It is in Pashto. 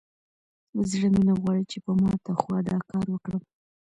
زړه مې نه غواړي چې په ماته خوا دا کار وکړم.